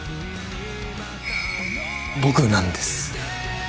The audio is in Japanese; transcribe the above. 「僕なんです」